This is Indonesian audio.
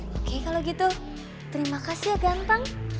oke kalau gitu terima kasih ya gampang